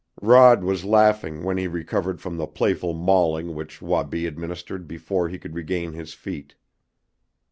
Rod was laughing when he recovered from the playful mauling which Wabi administered before he could regain his feet.